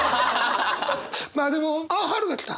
まあでもあっ春が来た！